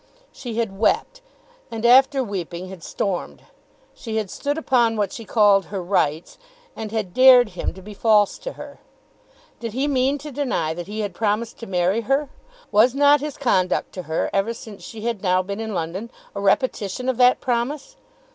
She had wept, and after weeping had stormed. She had stood upon what she called her rights, and had dared him to be false to her. Did he mean to deny that he had promised to marry her? Was not his conduct to her, ever since she had now been in London, a repetition of that promise?